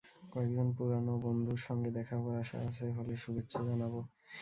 কয়েকজন পুরানো বন্ধুর সঙ্গে দেখা হবার আশা আছে, হলে শুভেচ্ছা জানাব।